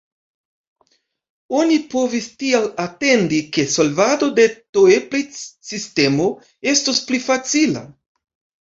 Oni povis tial atendi ke solvado de Toeplitz-sistemo estus pli facila.